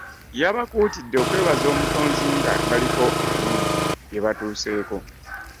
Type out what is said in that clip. Yabakuutidde okwebaza omutonzi nga baliko ebirungi bye batuuseeko.